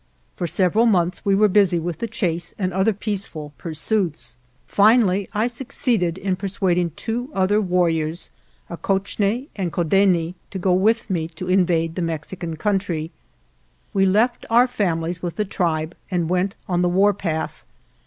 For several months we were busy with the chase and other peaceful pursuits. Finally I suc ceeded in persuading two others warriors, Ah koch ne and Ko deh ne, to go with me to invade the Mexican country. We left our 1 families with the tribe and went on the warpath.